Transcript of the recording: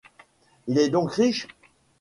Il est donc riche ?